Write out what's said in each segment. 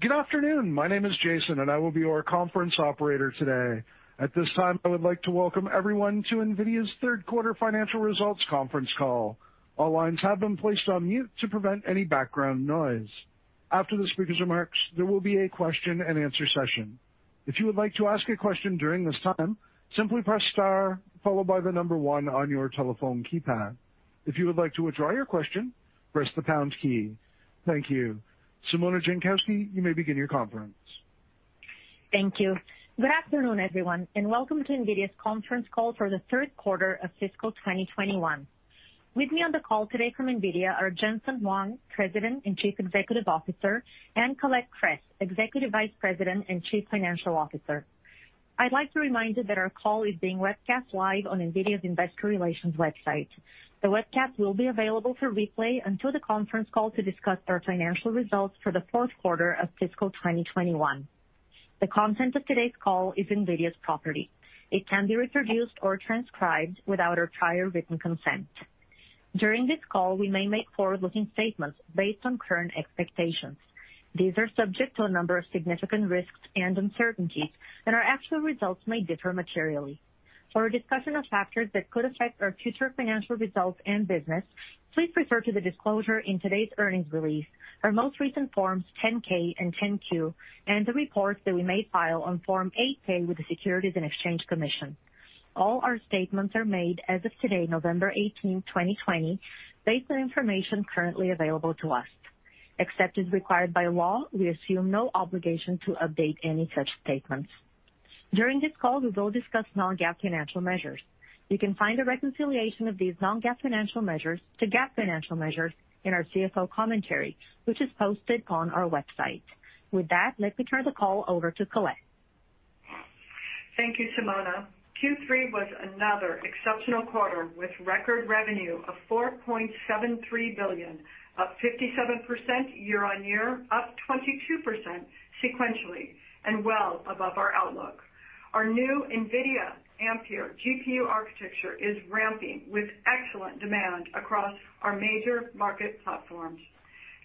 Good afternoon. My name is Jason. I will be your conference operator today. At this time, I would like to welcome everyone to NVIDIA's Q3 financial results conference call. All lines have been placed on mute to prevent any background noise. After the speaker's remarks, there will be a question-and-answer session. If you would like to ask a question during this time, simply press star followed by number one on your telephone keypad. If you would like to withdraw your question, press the pound key. Thank you. Simona Jankowski, you may begin your conference. Thank you. Good afternoon, everyone, and welcome to NVIDIA's conference call for the Q3 of fiscal 2021. With me on the call today from NVIDIA are Jensen Huang, President and Chief Executive Officer, and Colette Kress, Executive Vice President and Chief Financial Officer. I'd like to remind you that our call is being webcast live on NVIDIA's investor relations website. The webcast will be available for replay until the conference call to discuss our financial results for the Q4 of fiscal 2021. The content of today's call is NVIDIA's property. It can't be reproduced or transcribed without our prior written consent. During this call, we may make forward-looking statements based on current expectations. These are subject to a number of significant risks and uncertainties, our actual results may differ materially. For a discussion of factors that could affect our future financial results and business, please refer to the disclosure in today's earnings release, our most recent Forms 10-K and 10-Q, and the reports that we may file on Form 8-K with the Securities and Exchange Commission. All our statements are made as of today, November 18, 2020, based on information currently available to us. Except as required by law, we assume no obligation to update any such statements. During this call, we will discuss non-GAAP financial measures. You can find a reconciliation of these non-GAAP financial measures to GAAP financial measures in our CFO commentary, which is posted on our website. With that, let me turn the call over to Colette. Thank you, Simona. Q3 was another exceptional quarter with record revenue of $4.73 billion, up 57% year-on-year, up 22% sequentially, and well above our outlook. Our new NVIDIA Ampere GPU architecture is ramping with excellent demand across our major market platforms.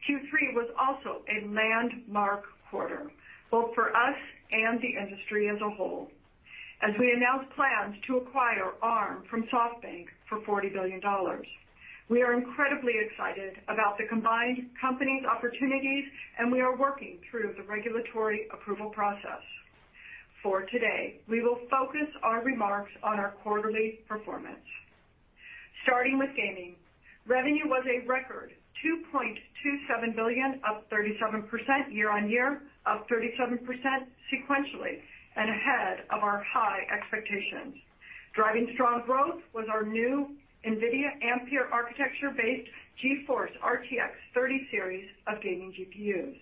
Q3 was also a landmark quarter, both for us and the industry as a whole, as we announced plans to acquire Arm from SoftBank for $40 billion. We are incredibly excited about the combined company's opportunities, and we are working through the regulatory approval process. For today, we will focus our remarks on our quarterly performance. Starting with gaming. Revenue was a record $2.27 billion, up 37% year-on-year, up 37% sequentially, and ahead of our high expectations. Driving strong growth was our new NVIDIA Ampere architecture-based GeForce RTX 30 series of gaming GPUs.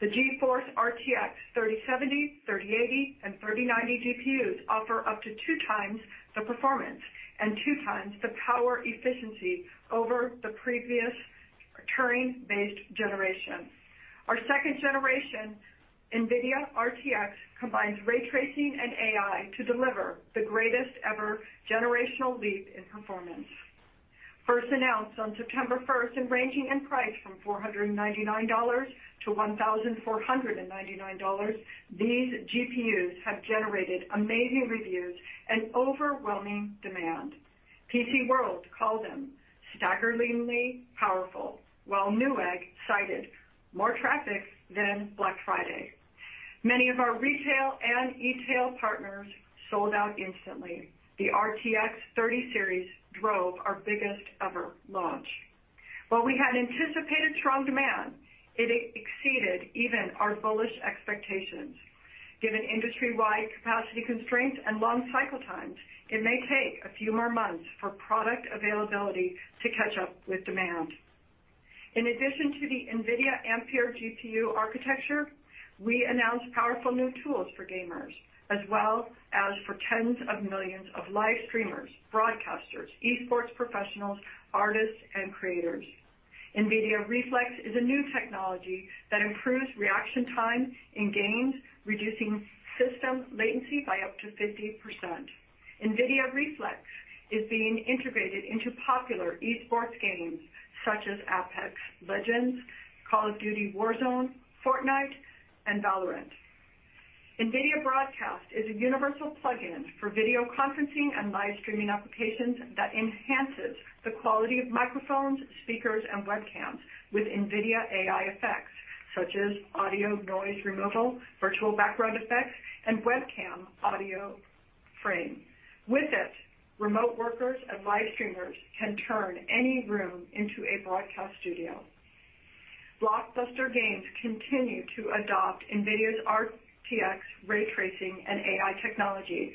The GeForce RTX 3070, 3080, and 3090 GPUs offer up to two times the performance and two times the power efficiency over the previous Turing-based generation. Our second generation NVIDIA RTX combines ray tracing and AI to deliver the greatest ever generational leap in performance. First announced on September 1st, and ranging in price from $499-$1,499, these GPUs have generated amazing reviews and overwhelming demand. PCWorld called them staggeringly powerful, while Newegg cited more traffic than Black Friday. Many of our retail and e-tail partners sold out instantly. The RTX 30 series drove our biggest ever launch. While we had anticipated strong demand, it exceeded even our bullish expectations. Given industry-wide capacity constraints and long cycle times, it may take a few more months for product availability to catch up with demand. In addition to the NVIDIA Ampere GPU architecture, we announced powerful new tools for gamers, as well as for tens of millions of live streamers, broadcasters, esports professionals, artists, and creators. NVIDIA Reflex is a new technology that improves reaction time in games, reducing system latency by up to 50%. NVIDIA Reflex is being integrated into popular esports games such as Apex Legends, Call of Duty: Warzone, Fortnite, and Valorant. NVIDIA Broadcast is a universal plugin for video conferencing and live streaming applications that enhances the quality of microphones, speakers, and webcams with NVIDIA AI effects such as audio noise removal, virtual background effects, and webcam auto frame. With it, remote workers and live streamers can turn any room into a broadcast studio. Blockbuster games continue to adopt NVIDIA's RTX ray tracing and AI technology.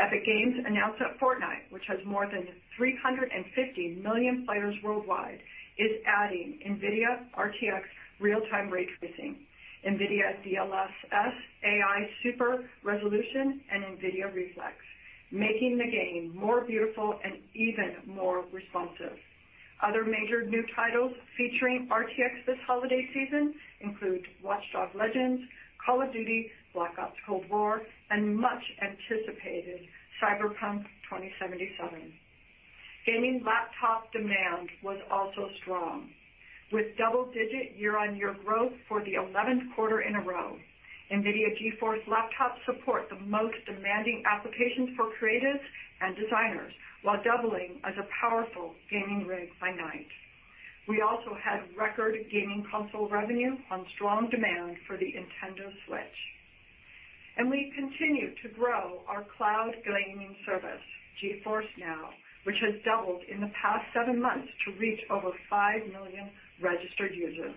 Epic Games announced that Fortnite, which has more than 350 million players worldwide, is adding NVIDIA RTX real-time ray tracing, NVIDIA DLSS AI super resolution, and NVIDIA Reflex, making the game more beautiful and even more responsive. Other major new titles featuring RTX this holiday season include Watch Dogs: Legion, Call of Duty: Black Ops Cold War, and much-anticipated Cyberpunk 2077. Gaming laptop demand was also strong. With double-digit year-on-year growth for the Q11 in a row, NVIDIA GeForce laptops support the most demanding applications for creatives and designers, while doubling as a powerful gaming rig by night. We also had record gaming console revenue on strong demand for the Nintendo Switch. We continue to grow our cloud gaming service, GeForce NOW, which has doubled in the past seven months to reach over five million registered users.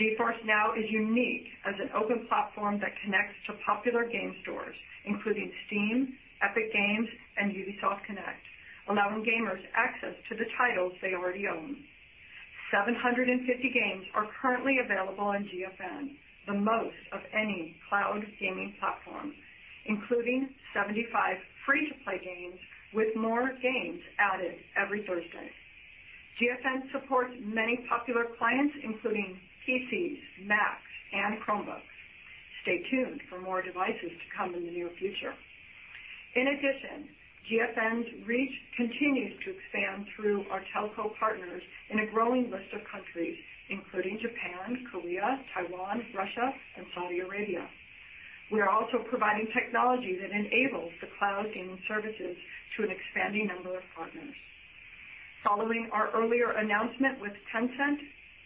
GeForce NOW is unique as an open platform that connects to popular game stores, including Steam, Epic Games, and Ubisoft Connect, allowing gamers access to the titles they already own. 750 games are currently available on GFN, the most of any cloud gaming platform, including 75 free-to-play games, with more games added every Thursday. GFN supports many popular clients, including PCs, Macs, and Chromebooks. Stay tuned for more devices to come in the near future. In addition, GFN's reach continues to expand through our telco partners in a growing list of countries, including Japan, Korea, Taiwan, Russia, and Saudi Arabia. We are also providing technology that enables the cloud gaming services to an expanding number of partners. Following our earlier announcement with Tencent,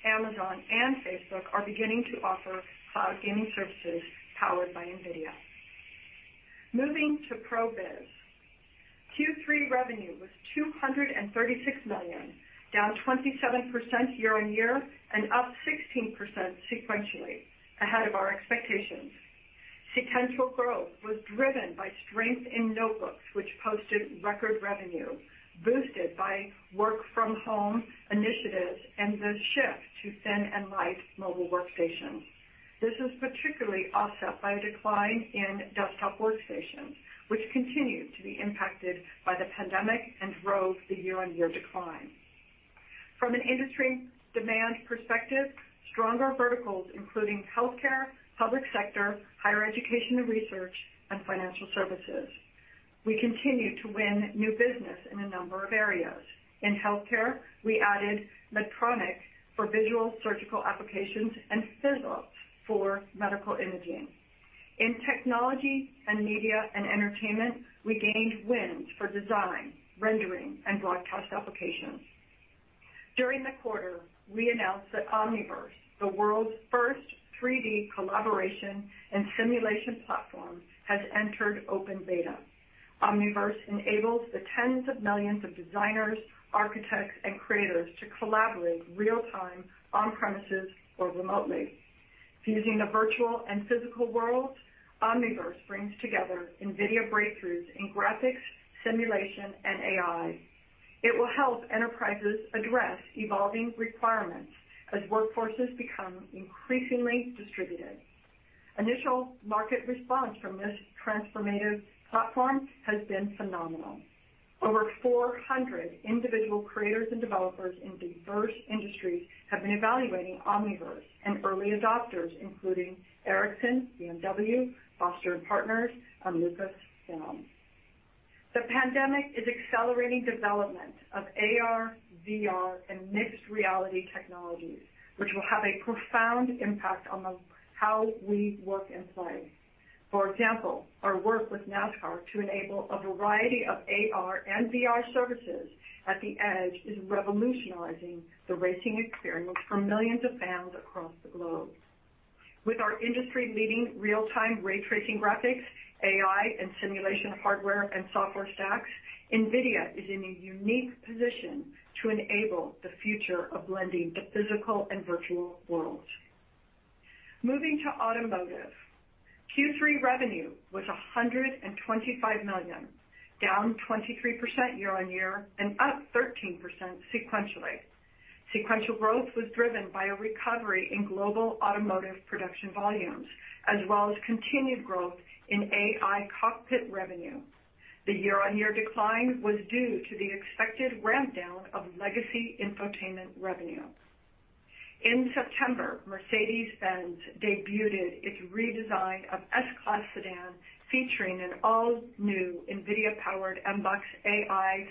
Amazon and Facebook are beginning to offer cloud gaming services powered by NVIDIA. Moving to ProViz. Q3 revenue was $236 million, down 27% year-on-year and up 16% sequentially, ahead of our expectations. Sequential growth was driven by strength in notebooks, which posted record revenue boosted by work-from-home initiatives and the shift to thin-and-light mobile workstations. This is particularly offset by a decline in desktop workstations, which continued to be impacted by the pandemic and drove the year-on-year decline. From an industry demand perspective, stronger verticals including healthcare, public sector, higher education and research, and financial services. We continue to win new business in a number of areas. In healthcare, we added Medtronic for visual surgical applications and Visage for medical imaging. In technology and media and entertainment, we gained wins for design, rendering, and broadcast applications. During the quarter, we announced that Omniverse, the world's first 3D collaboration and simulation platform, has entered open beta. Omniverse enables the tens of millions of designers, architects, and creators to collaborate real time on premises or remotely. Fusing the virtual and physical worlds, Omniverse brings together NVIDIA breakthroughs in graphics, simulation, and AI. It will help enterprises address evolving requirements as workforces become increasingly distributed. Initial market response from this transformative platform has been phenomenal. Over 400 individual creators and developers in diverse industries have been evaluating Omniverse and early adopters, including Ericsson, BMW, Foster + Partners, and Lucasfilm. The pandemic is accelerating development of AR, VR, and mixed reality technologies, which will have a profound impact on how we work and play. For example, our work with NASCAR to enable a variety of AR and VR services at the edge is revolutionizing the racing experience for millions of fans across the globe. With our industry-leading real-time ray tracing graphics, AI, and simulation hardware and software stacks, NVIDIA is in a unique position to enable the future of blending the physical and virtual worlds. Moving to automotive. Q3 revenue was $125 million, down 23% year-on-year and up 13% sequentially. Sequential growth was driven by a recovery in global automotive production volumes as well as continued growth in AI cockpit revenue. The year-on-year decline was due to the expected ramp down of legacy infotainment revenue. In September, Mercedes-Benz debuted its redesign of S-Class sedan, featuring an all-new NVIDIA-powered MBUX AI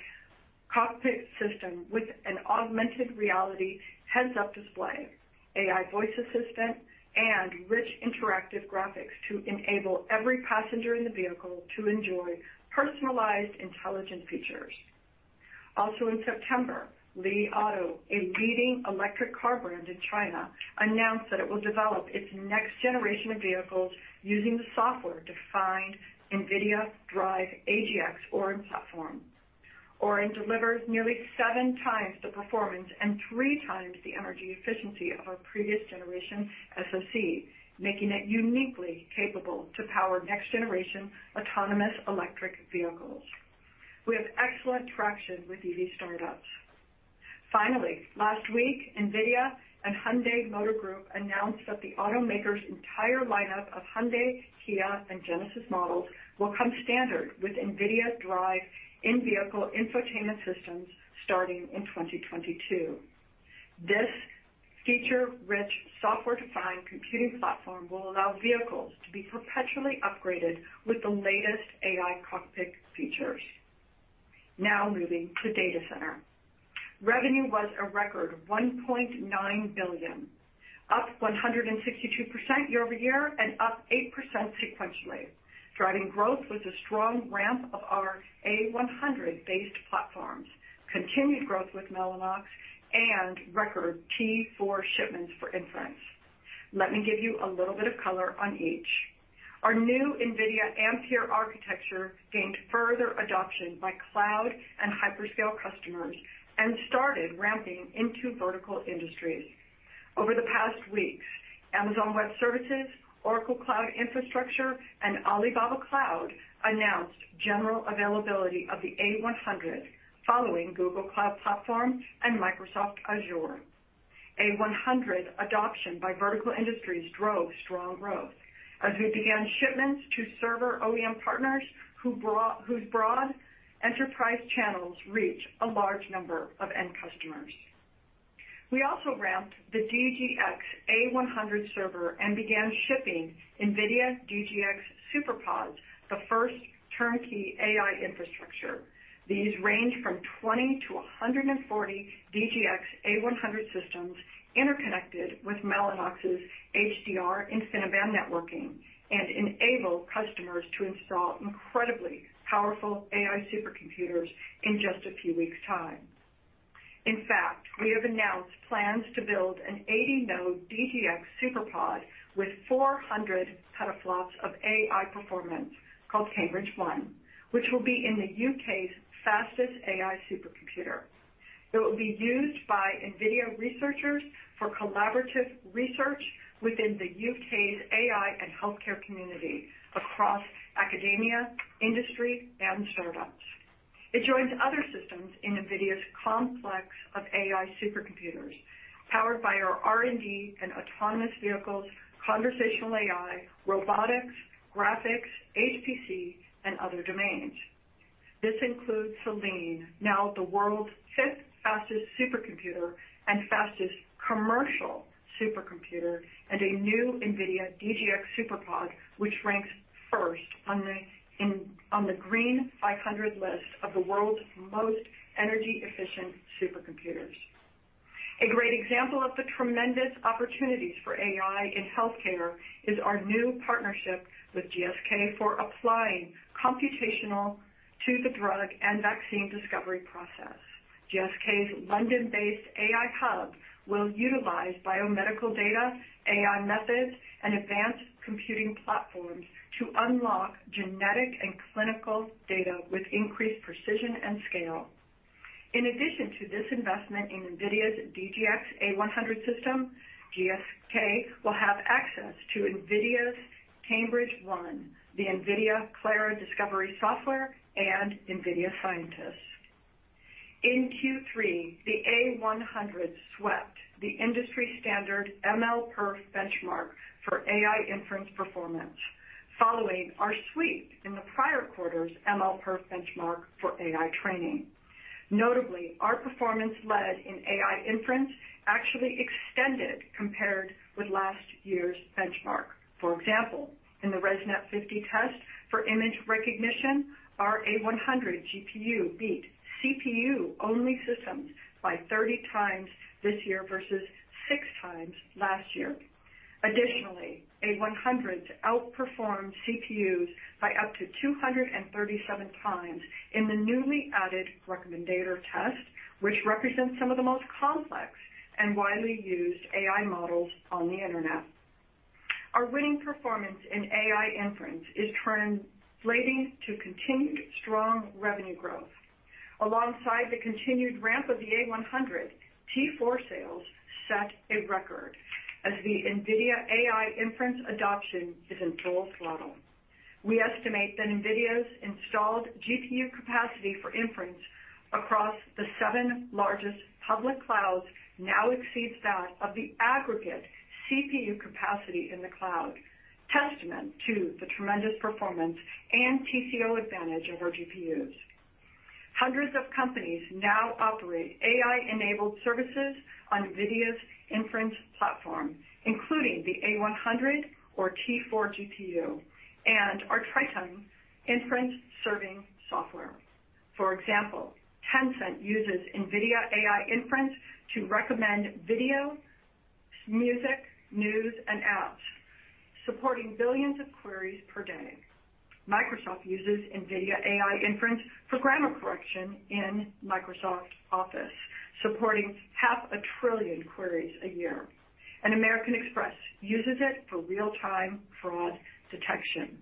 cockpit system with an augmented reality heads-up display, AI voice assistant, and rich interactive graphics to enable every passenger in the vehicle to enjoy personalized, intelligent features. Also in September, Li Auto, a leading electric car brand in China, announced that it will develop its next generation of vehicles using the software-defined NVIDIA DRIVE AGX Orin platform. Orin delivers nearly seven times the performance and three times the energy efficiency of our previous generation SoC, making it uniquely capable to power next-generation autonomous electric vehicles. We have excellent traction with EV startups. Finally, last week, NVIDIA and Hyundai Motor Group announced that the automaker's entire lineup of Hyundai, Kia, and Genesis models will come standard with NVIDIA DRIVE in-vehicle infotainment systems starting in 2022. This feature-rich software-defined computing platform will allow vehicles to be perpetually upgraded with the latest AI cockpit features. Now moving to data center. Revenue was a record $1.9 billion, up 162% year-over-year and up 8% sequentially. Driving growth was a strong ramp of our A100-based platforms, continued growth with Mellanox, and record T4 shipments for inference. Let me give you a little bit of color on each. Our new NVIDIA Ampere architecture gained further adoption by cloud and hyperscale customers and started ramping into vertical industries. Over the past weeks, Amazon Web Services, Oracle Cloud Infrastructure, and Alibaba Cloud announced general availability of the A100 following Google Cloud Platform and Microsoft Azure. A100 adoption by vertical industries drove strong growth as we began shipments to server OEM partners whose broad enterprise channels reach a large number of end customers. We also ramped the DGX A100 server and began shipping NVIDIA DGX SuperPOD, the first turnkey AI infrastructure. These range from 20 to 140 DGX A100 systems interconnected with Mellanox's HDR InfiniBand networking and enable customers to install incredibly powerful AI supercomputers in just a few weeks' time. In fact, we have announced plans to build an 80-node DGX SuperPOD with 400 petaflops of AI performance called Cambridge-1, which will be in the U.K.'s fastest AI supercomputer. It will be used by NVIDIA researchers for collaborative research within the U.K.'s AI and healthcare community across academia, industry, and startups. It joins other systems in NVIDIA's complex of AI supercomputers powered by our R&D and autonomous vehicles, conversational AI, robotics, graphics, HPC, and other domains. This includes Selene, now the world's fifth fastest supercomputer and fastest commercial supercomputer, and a new NVIDIA DGX SuperPOD, which ranks first on the Green500 list of the world's most energy-efficient supercomputers. A great example of the tremendous opportunities for AI in healthcare is our new partnership with GSK for applying computational to the drug and vaccine discovery process. GSK's London-based AI hub will utilize biomedical data, AI methods, and advanced computing platforms to unlock genetic and clinical data with increased precision and scale. In addition to this investment in NVIDIA's DGX A100 system, GSK will have access to NVIDIA's Cambridge-1, the NVIDIA Clara Discovery software, and NVIDIA scientists. In Q3, the A100 swept the industry standard MLPerf benchmark for AI inference performance following our sweep in the prior quarter's MLPerf benchmark for AI training. Notably, our performance lead in AI inference actually extended compared with last year's benchmark. For example, in the ResNet-50 test for image recognition, our A100 GPU beat CPU-only systems by 30 times this year versus six times last year. Additionally, A100 outperformed CPUs by up to 237 times in the newly added Recommender test, which represents some of the most complex and widely used AI models on the internet. Our winning performance in AI inference is translating to continued strong revenue growth. Alongside the continued ramp of the A100, T4 sales set a record as the NVIDIA AI inference adoption is in full throttle. We estimate that NVIDIA's installed GPU capacity for inference across the seven largest public clouds now exceeds that of the aggregate CPU capacity in the cloud, testament to the tremendous performance and TCO advantage of our GPUs. Hundreds of companies now operate AI-enabled services on NVIDIA's inference platform, including the A100 or T4 GPU, and our Triton Inference Serving software. For example, Tencent uses NVIDIA AI inference to recommend video, music, news, and apps, supporting billions of queries per day. Microsoft uses NVIDIA AI inference for grammar correction in Microsoft Office, supporting half a trillion queries a year. American Express uses it for real-time fraud detection.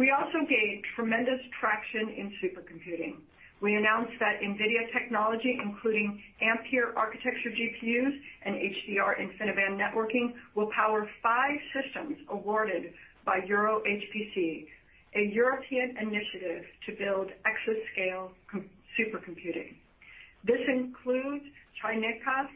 We also gained tremendous traction in supercomputing. We announced that NVIDIA technology, including Ampere architecture GPUs and HDR InfiniBand networking, will power five systems awarded by EuroHPC, a European initiative to build exascale supercomputing. This includes CINECA,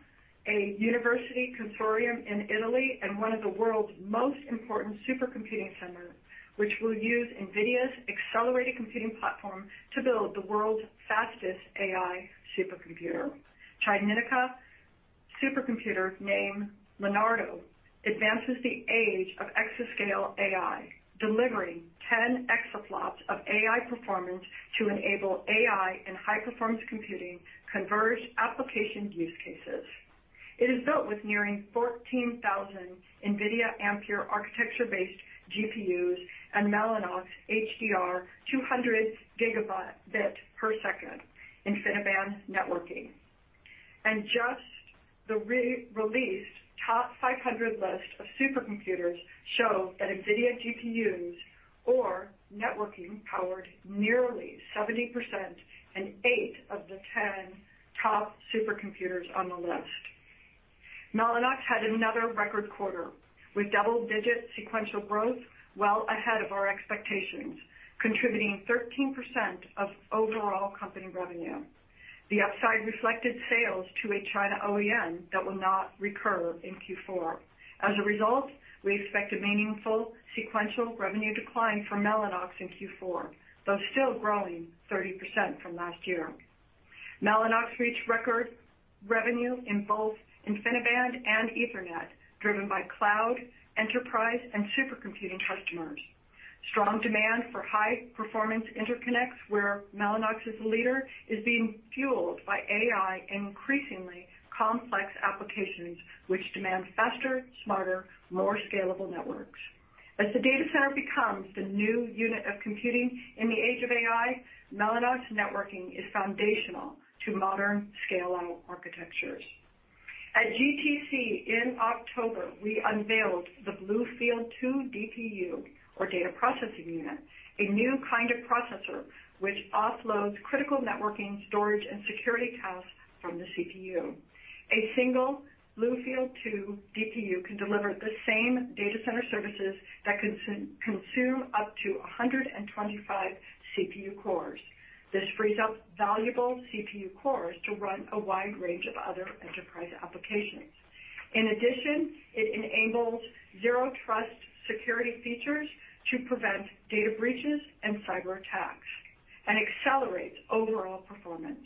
a university consortium in Italy and one of the world's most important supercomputing center, which will use NVIDIA's accelerated computing platform to build the world's fastest AI supercomputer. CINECA supercomputer named Leonardo advances the age of exascale AI, delivering ten exaflops of AI performance to enable AI and high-performance computing converged application use cases. It is built with nearing 14,000 NVIDIA Ampere architecture-based GPUs and Mellanox HDR 200 gigabit per second InfiniBand networking. Just the re-released TOP500 list of supercomputers show that NVIDIA GPUs or networking powered nearly 70% and eight of the 10 top supercomputers on the list. Mellanox had another record quarter with double-digit sequential growth well ahead of our expectations, contributing 13% of overall company revenue. The upside reflected sales to a China OEM that will not recur in Q4. As a result, we expect a meaningful sequential revenue decline for Mellanox in Q4, though still growing 30% from last year. Mellanox reached record revenue in both InfiniBand and Ethernet, driven by cloud, enterprise, and supercomputing customers. Strong demand for high-performance interconnects, where Mellanox is a leader, is being fueled by AI and increasingly complex applications, which demand faster, smarter, more scalable networks. As the data center becomes the new unit of computing in the age of AI, Mellanox networking is foundational to modern scale-out architectures. At GTC in October, we unveiled the BlueField-2 DPU or data processing unit, a new kind of processor which offloads critical networking, storage, and security tasks from the CPU. A single BlueField-2 DPU can deliver the same data center services that consume up to 125 CPU cores. This frees up valuable CPU cores to run a wide range of other enterprise applications. In addition, it enables zero-trust security features to prevent data breaches and cyberattacks and accelerates overall performance.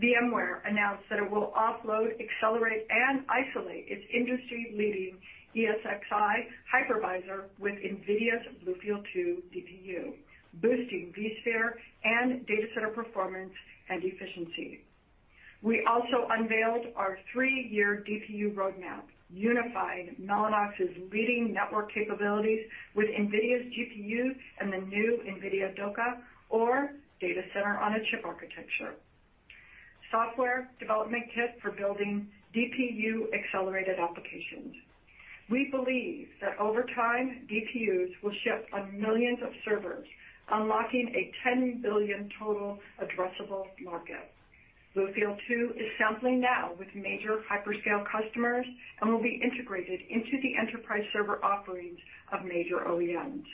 VMware announced that it will offload, accelerate, and isolate its industry-leading ESXi hypervisor with NVIDIA's BlueField-2 DPU, boosting vSphere and data center performance and efficiency. We also unveiled our three-year DPU roadmap, unifying Mellanox's leading network capabilities with NVIDIA's GPUs and the new NVIDIA DOCA or data center on a chip architecture software development kit for building DPU-accelerated applications. We believe that over time, DPUs will ship on millions of servers, unlocking a $10 billion total addressable market. BlueField-2 is sampling now with major hyperscale customers and will be integrated into the enterprise server offerings of major OEMs.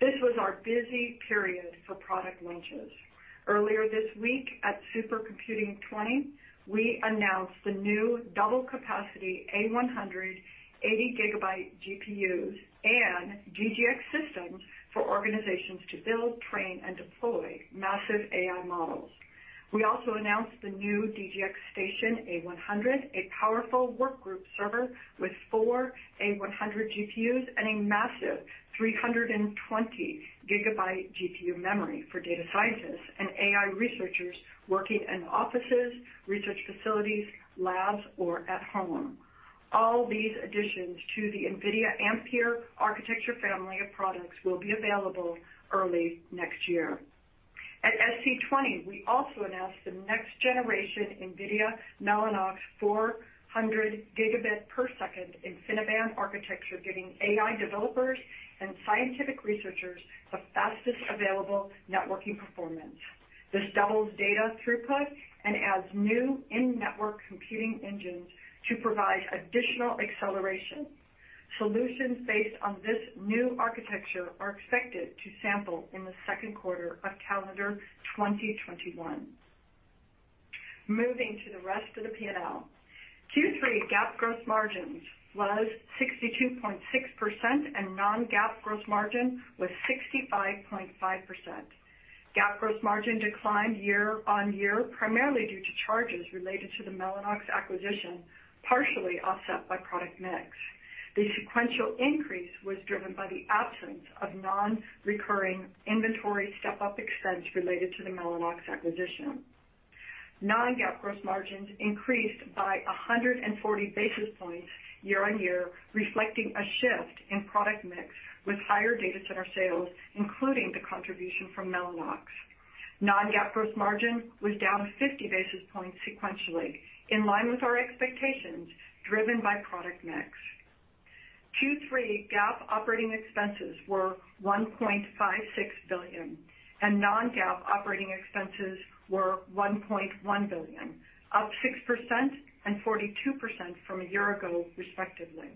This was our busy period for product launches. Earlier this week at SC20, we announced the new double capacity A100 80GB GPUs and DGX systems for organizations to build, train, and deploy massive AI models. We also announced the new DGX Station A100, a powerful workgroup server with four A100 GPUs and a massive 320 GB GPU memory for data scientists and AI researchers working in offices, research facilities, labs, or at home. All these additions to the NVIDIA Ampere architecture family of products will be available early next year. At SC20, we also announced the next-generation NVIDIA Mellanox 400 gigabit per second InfiniBand architecture, giving AI developers and scientific researchers the fastest available networking performance. This doubles data throughput and adds new in-network computing engines to provide additional acceleration. Solutions based on this new architecture are expected to sample in the Q2 of calendar 2021. Moving to the rest of the P&L. Q3 GAAP gross margins was 62.6% and non-GAAP gross margin was 65.5%. GAAP gross margin declined year-over-year primarily due to charges related to the Mellanox acquisition, partially offset by product mix. The sequential increase was driven by the absence of non-recurring inventory step-up expense related to the Mellanox acquisition. Non-GAAP gross margins increased by 140 basis points year-over-year, reflecting a shift in product mix with higher data center sales, including the contribution from Mellanox. Non-GAAP gross margin was down 50 basis points sequentially, in line with our expectations, driven by product mix. Q3 GAAP operating expenses were $1.56 billion, and non-GAAP operating expenses were $1.1 billion, up 6% and 42% from a year ago, respectively.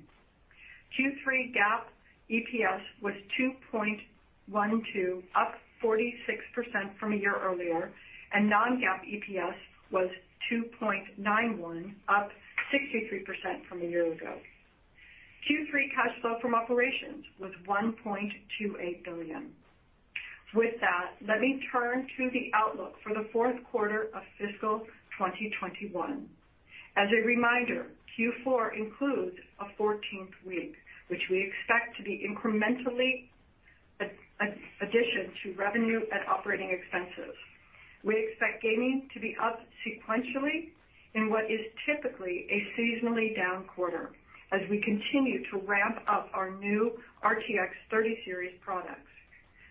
Q3 GAAP EPS was $2.12, up 46% from a year earlier, and non-GAAP EPS was $2.91, up 63% from a year ago. Q3 cash flow from operations was $1.28 billion. With that, let me turn to the outlook for the Q4 of fiscal 2021. As a reminder, Q4 includes a 14th week, which we expect to be incrementally addition to revenue and operating expenses. We expect gaming to be up sequentially in what is typically a seasonally down quarter as we continue to ramp up our new RTX 30 series products.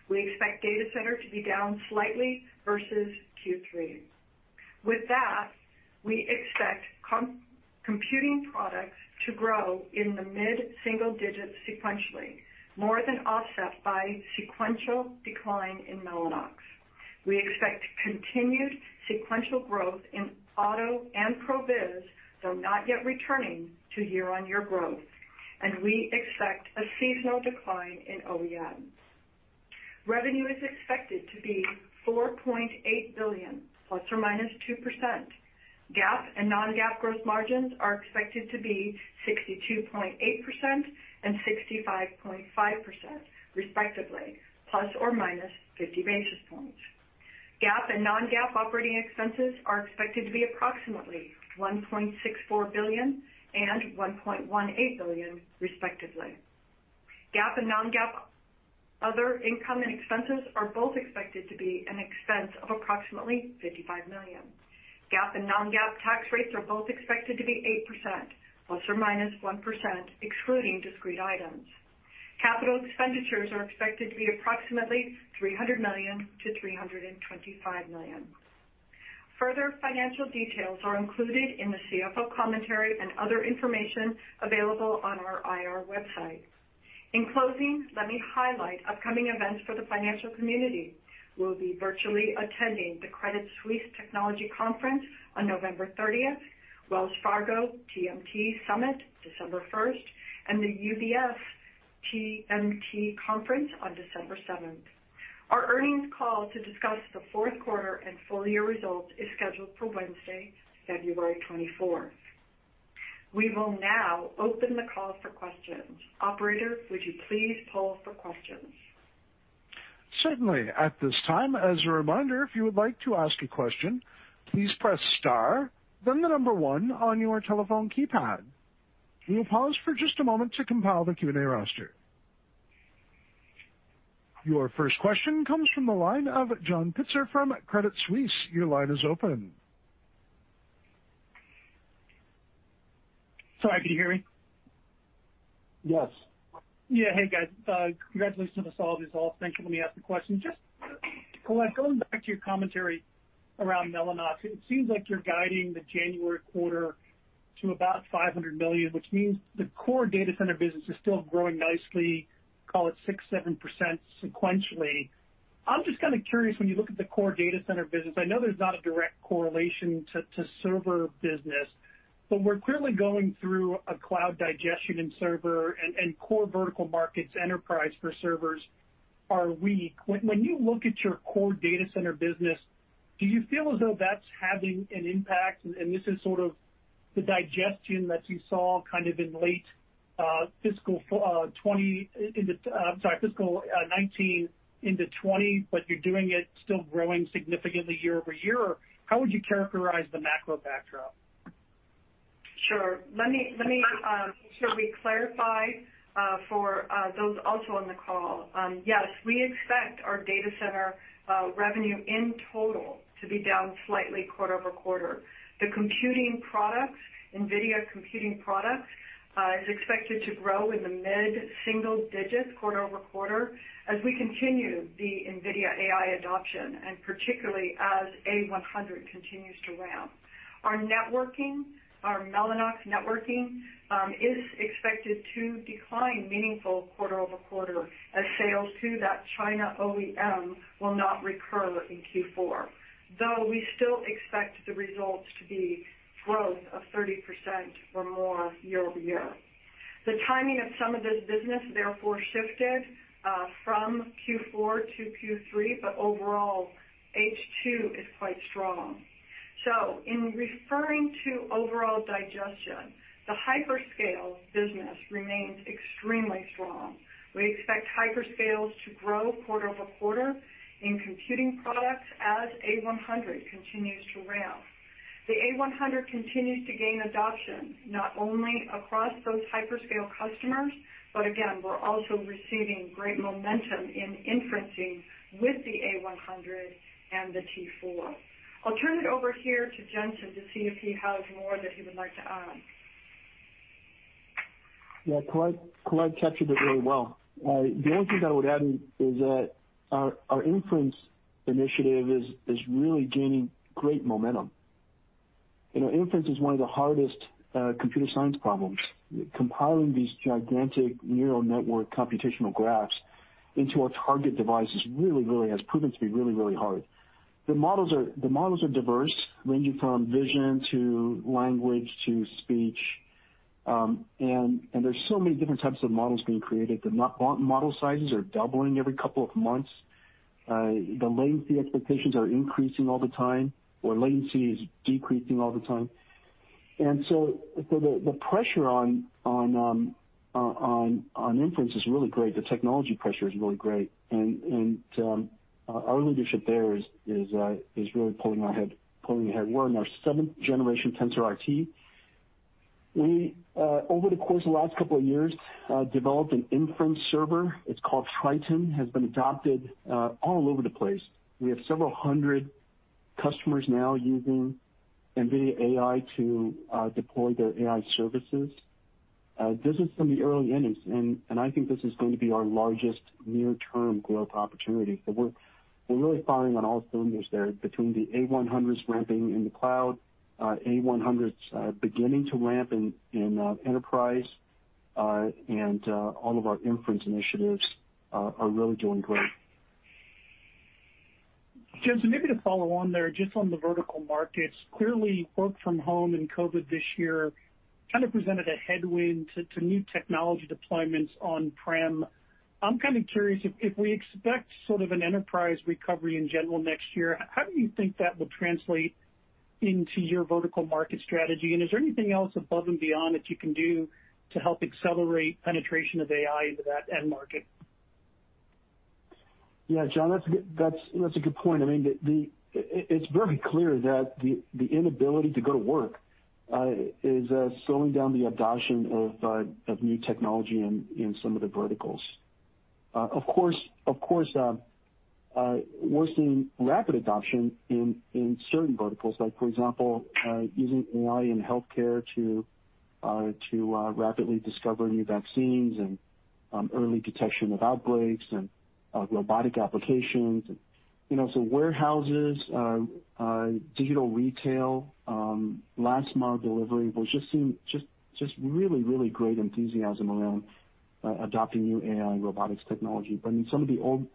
We expect data center to be down slightly versus Q3. With that, we expect computing products to grow in the mid-single digits sequentially, more than offset by sequential decline in Mellanox. We expect continued sequential growth in auto and ProViz, though not yet returning to year-on-year growth, and we expect a seasonal decline in OEM. Revenue is expected to be $4.8 billion ±2%. GAAP and non-GAAP gross margins are expected to be 62.8% and 65.5% respectively, ±50 basis points. GAAP and non-GAAP operating expenses are expected to be approximately $1.64 billion and $1.18 billion, respectively. GAAP and non-GAAP other income and expenses are both expected to be an expense of approximately $55 million. GAAP and non-GAAP tax rates are both expected to be 8% ±1%, excluding discrete items. Capital expenditures are expected to be approximately $300 million-$325 million. Further financial details are included in the CFO commentary and other information available on our IR website. In closing, let me highlight upcoming events for the financial community. We'll be virtually attending the Credit Suisse Technology Conference on November 30th, Wells Fargo TMT Summit December 1st, and the UBS TMT Conference on December 7th. Our earnings call to discuss the Q4 and full-year results is scheduled for Wednesday, February 24th. We will now open the call for questions. Operator, would you please poll for questions? Certainly. At this time, as a reminder, if you would like to ask a question, please press star, then the number one on your telephone keypad. We will pause for just a moment to compile the Q&A roster. Your first question comes from the line of John Pitzer from Credit Suisse. Your line is open. Sorry, can you hear me? Yes. Hey, guys. Congratulations on all these results. Thank you. Let me ask the question. Colette, going back to your commentary around Mellanox, it seems like you're guiding the January quarter to about $500 million, which means the core data center business is still growing nicely, call it 6%-7% sequentially. I'm just kinda curious, when you look at the core data center business, I know there's not a direct correlation to server business, but we're clearly going through a cloud digestion in server and core vertical markets enterprise for servers are weak. When you look at your core data center business, do you feel as though that's having an impact? This is sort of the digestion that you saw kind of in late, I'm sorry, fiscal 2019 into 2020, but you're doing it still growing significantly year-over-year, or how would you characterize the macro backdrop? Sure. Let me clarify for those also on the call? Yes, we expect our data center revenue in total to be down slightly quarter-over-quarter. The computing products, NVIDIA computing products, is expected to grow in the mid-single digits quarter-over-quarter as we continue the NVIDIA AI adoption and particularly as A100 continues to ramp. Our networking, our Mellanox networking, is expected to decline meaningful quarter-over-quarter as sales to that China OEM will not recur in Q4. We still expect the results to be growth of 30% or more year-over-year. The timing of some of this business therefore shifted from Q4 to Q3, overall, H2 is quite strong. In referring to overall digestion, the hyperscale business remains extremely strong. We expect hyperscales to grow quarter-over-quarter in computing products as A100 continues to ramp. The A100 continues to gain adoption not only across those hyperscale customers, but again, we are also receiving great momentum in inferencing with the A100 and the T4. I will turn it over here to Jensen to see if he has more that he would like to add. Yeah. Colette captured it really well. The only thing that I would add is that our inference initiative is really gaining great momentum. You know, inference is one of the hardest computer science problems. Compiling these gigantic neural network computational graphs into our target device has proven to be really, really hard. The models are diverse, ranging from vision to language to speech. There's so many different types of models being created. The model sizes are doubling every couple of months. The latency expectations are increasing all the time, or latency is decreasing all the time. The pressure on inference is really great. The technology pressure is really great. Our leadership there is really pulling ahead. We're in our seventh generation TensorRT. We, over the course of the last couple of years, developed an inference server. It's called Triton, has been adopted all over the place. We have several hundred customers now using NVIDIA AI to deploy their AI services. This is from the early innings, and I think this is going to be our largest near-term growth opportunity. We're really firing on all cylinders there between the A100s ramping in the cloud, A100s beginning to ramp in enterprise, and all of our inference initiatives are really doing great. Jensen, maybe to follow on there, just on the vertical markets, clearly work from home and COVID this year kind of presented a headwind to new technology deployments on-prem. I'm kind of curious if we expect sort of an enterprise recovery in general next year, how do you think that will translate into your vertical market strategy? Is there anything else above and beyond that you can do to help accelerate penetration of AI into that end market? Yeah, John, that's a good point. I mean, the It's very clear that the inability to go to work is slowing down the adoption of new technology in some of the verticals. Of course, we're seeing rapid adoption in certain verticals, like for example, using AI in healthcare to rapidly discover new vaccines and early detection of outbreaks and robotic applications. you know, so warehouses, digital retail, last mile delivery. We're just seeing just really great enthusiasm around adopting new AI and robotics technology. I mean, some of the old,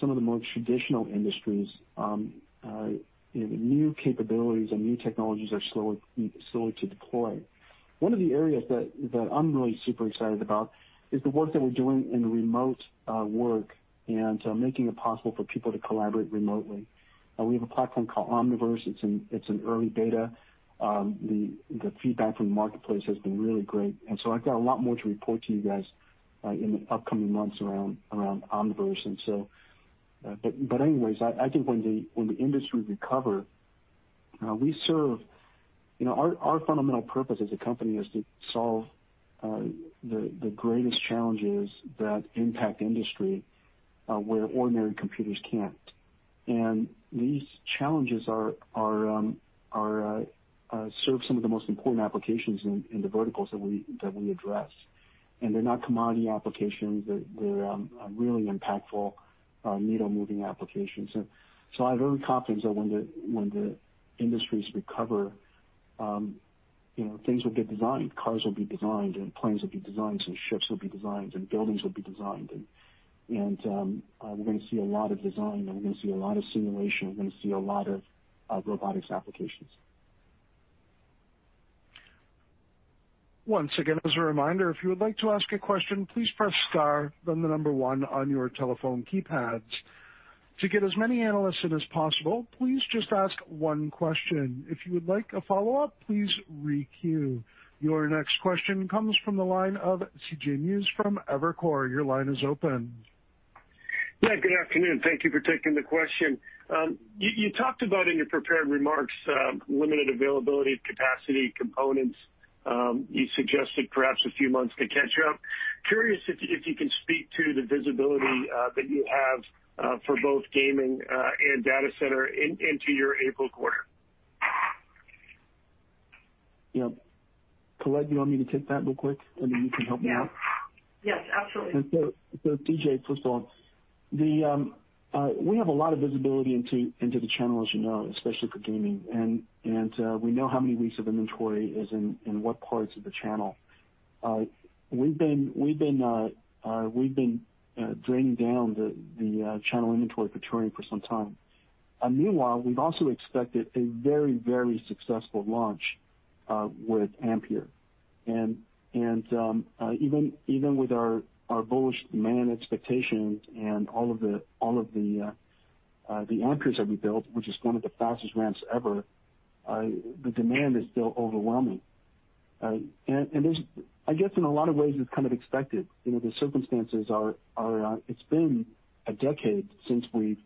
some of the more traditional industries, you know, the new capabilities and new technologies are slower to deploy. One of the areas that I'm really super excited about is the work that we're doing in remote work and making it possible for people to collaborate remotely. We have a platform called Omniverse. It's in early beta. The feedback from the marketplace has been really great. I've got a lot more to report to you guys in the upcoming months around Omniverse. Anyways, I think when the industry recover, we serve You know, our fundamental purpose as a company is to solve the greatest challenges that impact industry where ordinary computers can't. These challenges are serve some of the most important applications in the verticals that we address. They're not commodity applications. They're really impactful, needle-moving applications. I have every confidence that when the industries recover, you know, things will get designed, cars will be designed, and planes will be designed, and ships will be designed, and buildings will be designed. We're gonna see a lot of design, and we're gonna see a lot of simulation. We're gonna see a lot of robotics applications. Once again, as a reminder, if you would like to ask a question, please press star, then the number one on your telephone keypads. To get as many analysts in as possible, please just ask one question. If you would like a follow-up, please re-queue. Your next question comes from the line of C.J. Muse from Evercore. Your line is open. Yeah, good afternoon. Thank you for taking the question. You talked about in your prepared remarks, limited availability of capacity components. You suggested perhaps a few months to catch up. Curious if you can speak to the visibility that you have for both gaming and data center into your April quarter. Yeah. Colette, do you want me to take that real quick, and then you can help me out? Yes. Yes, absolutely. C.J. Muse, first of all, we have a lot of visibility into the channel, as you know, especially for gaming. We know how many weeks of inventory is in what parts of the channel. We've been draining down the channel inventory for Turing for some time. Meanwhile, we've also expected a very successful launch with Ampere. Even with our bullish demand expectations and all of the Ampere that we built, which is one of the fastest ramps ever, the demand is still overwhelming. I guess in a lot of ways, it's kind of expected. You know, the circumstances are It's been a decade since we've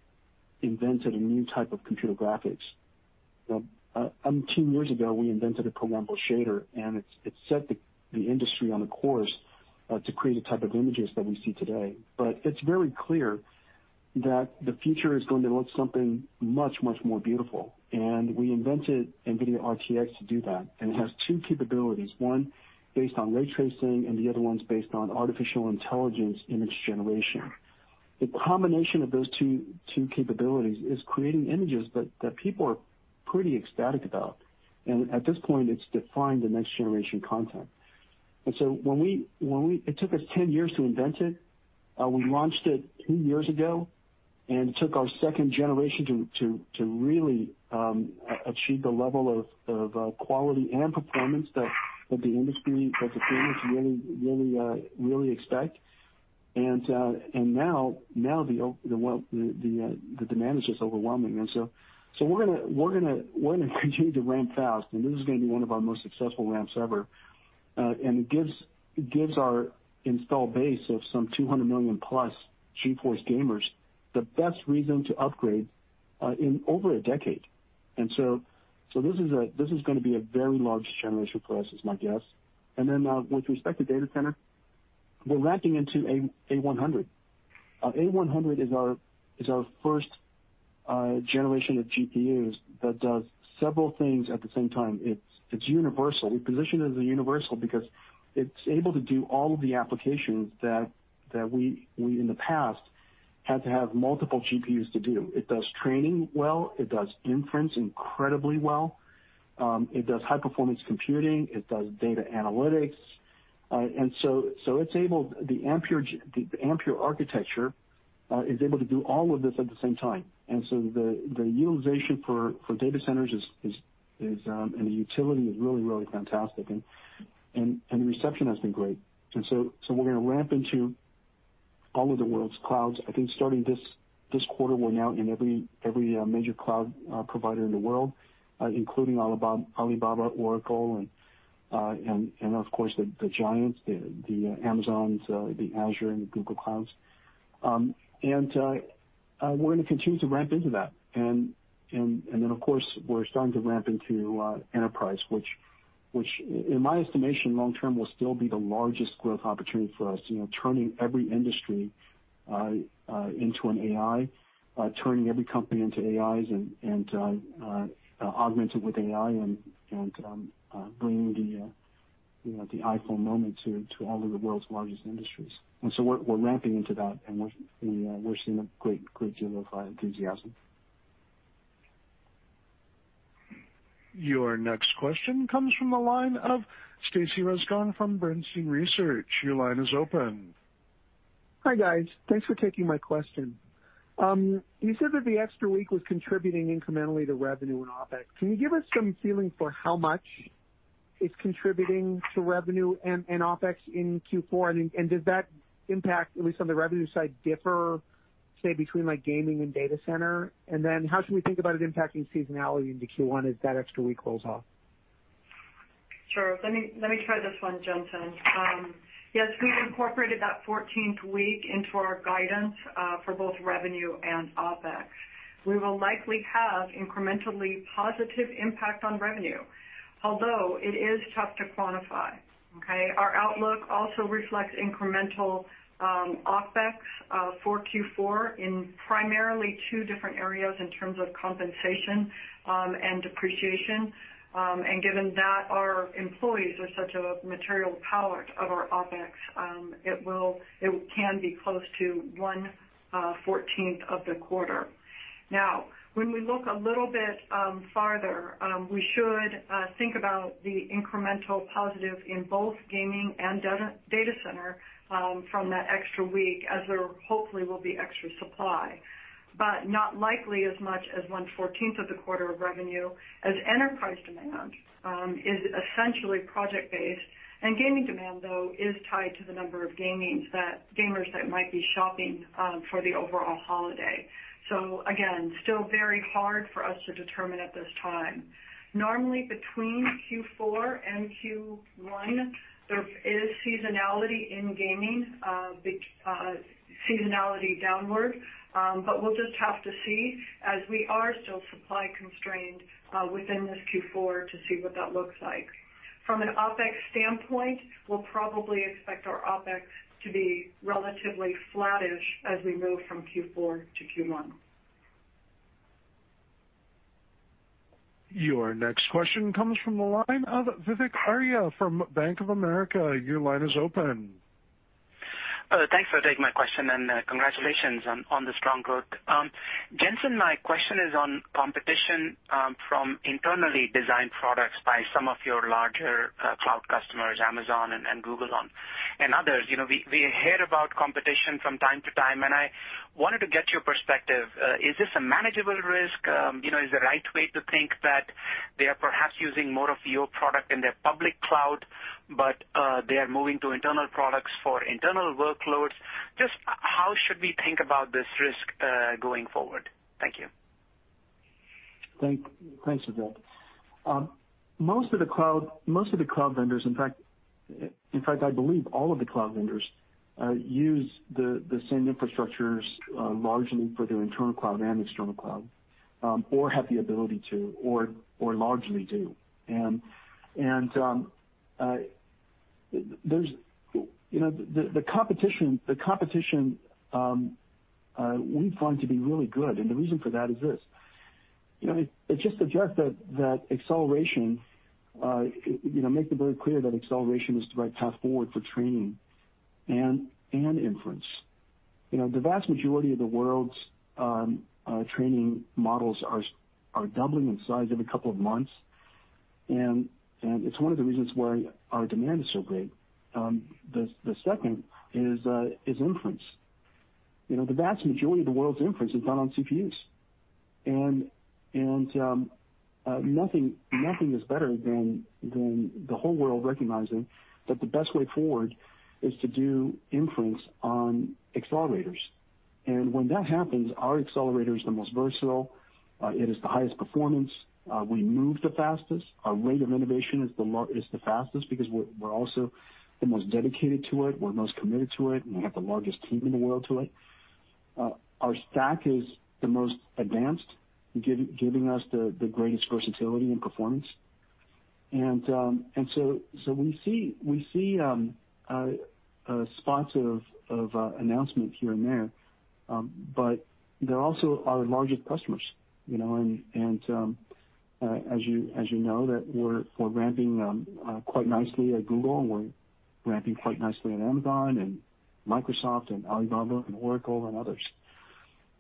invented a new type of computer graphics. You know, two years ago, we invented a programmable shader, and it set the industry on a course to create the type of images that we see today. It's very clear that the future is going to look something much, much more beautiful, and we invented NVIDIA RTX to do that. It has two capabilities, one based on ray tracing, and the other one's based on artificial intelligence image generation. The combination of those two capabilities is creating images that people are pretty ecstatic about. At this point, it's defined the next generation content. It took us 10 years to invent it. We launched it two years ago, and it took our second generation to really achieve the level of quality and performance that the industry, that the gamers really expect. Now the demand is just overwhelming. We're gonna continue to ramp fast, and this is gonna be one of our most successful ramps ever. It gives our install base of some 200 million-plus GeForce gamers the best reason to upgrade in over a decade. This is gonna be a very large generation for us, is my guess. With respect to data center, we're ramping into A100. A100 is our first generation of GPUs that does several things at the same time. It's universal. We position it as a universal because it's able to do all of the applications that we, in the past, had to have multiple GPUs to do. It does training well, it does inference incredibly well, it does high-performance computing, it does data analytics. The Ampere architecture is able to do all of this at the same time. The utilization for data centers is, and the utility is really fantastic and the reception has been great. We're gonna ramp into all of the world's clouds. I think starting this quarter, we're now in every major cloud provider in the world, including Alibaba, Oracle, and of course, the giants, the Amazons, the Azure and the Google Clouds. We're gonna continue to ramp into that. Of course, we're starting to ramp into enterprise, which in my estimation, long term will still be the largest growth opportunity for us. You know, turning every industry into an AI, turning every company into AIs augmented with AI, bringing the, you know, the iPhone moment to all of the world's largest industries. We're ramping into that, and we're seeing a great deal of enthusiasm. Your next question comes from the line of Stacy Rasgon from Bernstein Research. Your line is open. Hi, guys. Thanks for taking my question. You said that the extra week was contributing incrementally to revenue and OpEx. Can you give us some feeling for how much it's contributing to revenue and OpEx in Q4? Does that impact, at least on the revenue side, differ, say, between like gaming and data center? How should we think about it impacting seasonality into Q1 as that extra week rolls off? Sure. Let me try this one, Jensen. Yes, we incorporated that 14th week into our guidance for both revenue and OpEx. We will likely have incrementally positive impact on revenue, although it is tough to quantify. Our outlook also reflects incremental OpEx for Q4 in primarily two different areas in terms of compensation and depreciation. Given that our employees are such a material part of our OpEx, it can be close to one 14th of the quarter. When we look a little bit farther, we should think about the incremental positive in both gaming and data center from that extra week as there hopefully will be extra supply. Not likely as much as one 14th of the quarter of revenue, as enterprise demand is essentially project-based. Gaming demand, though, is tied to the number of gamers that might be shopping for the overall holiday. Again, still very hard for us to determine at this time. Normally, between Q4 and Q1, there is seasonality in gaming, seasonality downward. We'll just have to see as we are still supply constrained within this Q4 to see what that looks like. From an OpEx standpoint, we'll probably expect our OpEx to be relatively flattish as we move from Q4 to Q1. Your next question comes from the line of Vivek Arya from Bank of America. Your line is open. Thanks for taking my question, and congratulations on the strong growth. Jensen, my question is on competition from internally designed products by some of your larger cloud customers, Amazon and Google and others. You know, we hear about competition from time to time, and I wanted to get your perspective. Is this a manageable risk? You know, is the right way to think that they are perhaps using more of your product in their public cloud, but they are moving to internal products for internal workloads? Just how should we think about this risk going forward? Thank you. Thanks, Vivek. Most of the cloud vendors, in fact, I believe all of the cloud vendors, use the same infrastructures largely for their internal cloud and external cloud, or have the ability to, or largely do. You know, the competition, we find to be really good, and the reason for that is this: You know, it's just the fact that acceleration, you know, make it very clear that acceleration is the right path forward for training and inference. You know, the vast majority of the world's training models are doubling in size every couple of months, and it's one of the reasons why our demand is so great. The second is inference. You know, the vast majority of the world's inference is done on CPUs. Nothing is better than the whole world recognizing that the best way forward is to do inference on accelerators. When that happens, our accelerator is the most versatile, it is the highest performance, we move the fastest, our rate of innovation is the fastest because we're also the most dedicated to it, we're most committed to it, and we have the largest team in the world to it. Our stack is the most advanced, giving us the greatest versatility and performance. We see spots of announcement here and there, but they're also our largest customers, you know. As you know, that we're ramping quite nicely at Google, and we're ramping quite nicely at Amazon and Microsoft and Alibaba and Oracle and others.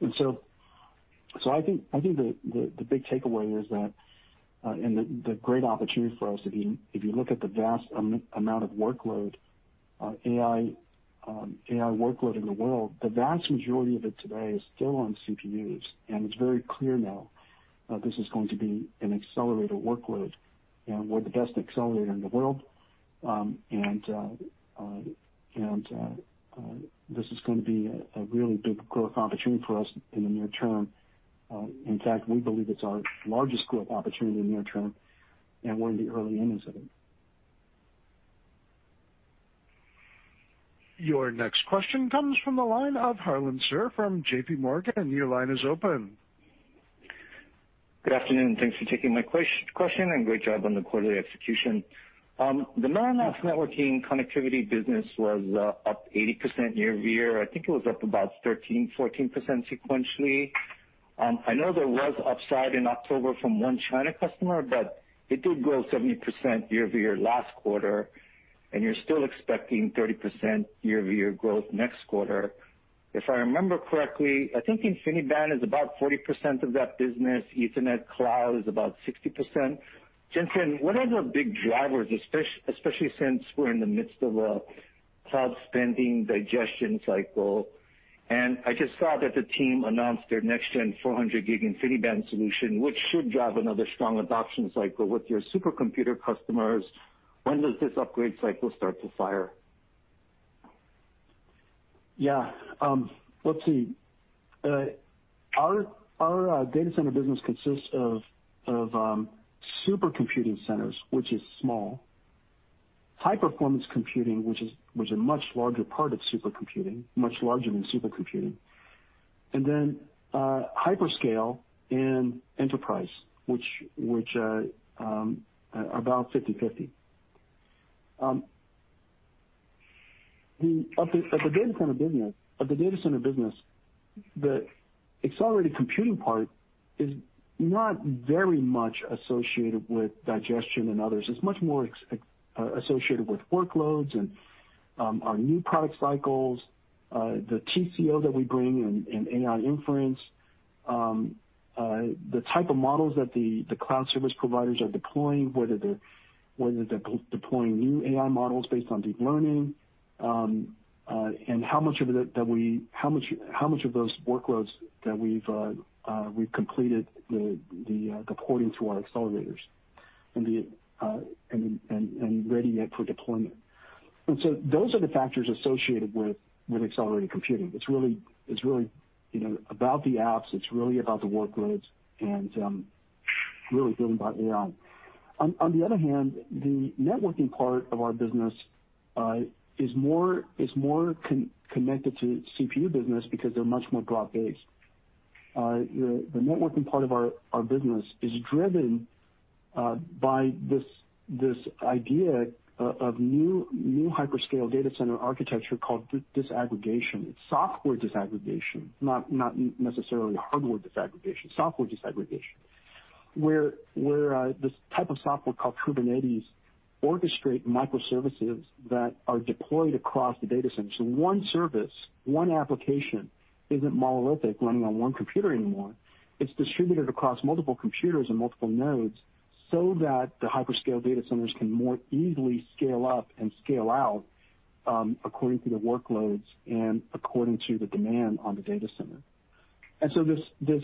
I think the big takeaway is that, and the great opportunity for us, if you look at the vast amount of workload, AI workload in the world, the vast majority of it today is still on CPUs, and it's very clear now, this is going to be an accelerator workload, and we're the best accelerator in the world. This is gonna be a really big growth opportunity for us in the near term. In fact, we believe it's our largest growth opportunity near term, and we're in the early innings of it. Your next question comes from the line of Harlan Sur from J.P. Morgan. Your line is open. Good afternoon. Thanks for taking my question, and great job on the quarterly execution. The Mellanox networking connectivity business was up 80% year-over-year. I think it was up about 13%, 14% sequentially. I know there was upside in October from one China customer, but it did grow 70% year-over-year last quarter, and you're still expecting 30% year-over-year growth next quarter. If I remember correctly, I think InfiniBand is about 40% of that business. Ethernet Cloud is about 60%. Jensen, what are the big drivers, especially since we're in the midst of a cloud spending digestion cycle? I just saw that the team announced their next-gen 400 gig InfiniBand solution, which should drive another strong adoption cycle with your supercomputer customers. When does this upgrade cycle start to fire? Let's see. Our data center business consists of supercomputing centers, which is small. High-performance computing, a much larger part of supercomputing, much larger than supercomputing. Hyperscale and enterprise, about 50/50. The data center business, the accelerated computing part is not very much associated with digestion and others. It's much more associated with workloads and our new product cycles, the TCO that we bring in AI inference. The type of models that the cloud service providers are deploying, whether they're deploying new AI models based on deep learning, and how much of it that we've completed the porting to our accelerators and readying it for deployment. Those are the factors associated with accelerated computing. It's really, you know, about the apps. It's really about the workloads and really driven by AI. On the other hand, the networking part of our business is more connected to CPU business because they're much more drop-based. The networking part of our business is driven by this idea of new hyperscale data center architecture called disaggregation. It's software disaggregation, not necessarily hardware disaggregation, software disaggregation, where this type of software called Kubernetes orchestrate microservices that are deployed across the data center. One service, one application isn't monolithic running on one computer anymore. It's distributed across multiple computers and multiple nodes so that the hyperscale data centers can more easily scale up and scale out according to the workloads and according to the demand on the data center. This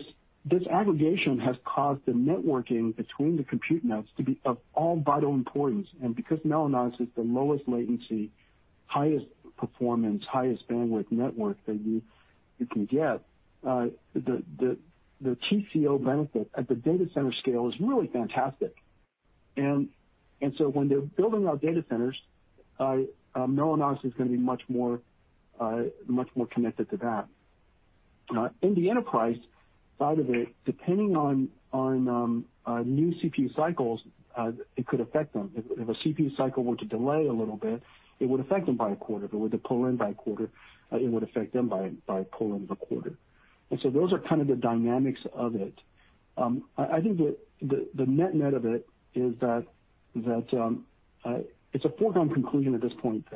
disaggregation has caused the networking between the compute nodes to be of all vital importance. Because Mellanox is the lowest latency, highest performance, highest bandwidth network that you can get, the TCO benefit at the data center scale is really fantastic. When they're building out data centers, Mellanox is gonna be much more connected to that. In the enterprise side of it, depending on new CPU cycles, it could affect them. If a CPU cycle were to delay a little bit, it would affect them by a quarter. If it were to pull in by a quarter, it would affect them by pulling the quarter. Those are kind of the dynamics of it. I think that the net-net of it is that it's a foregone conclusion at this point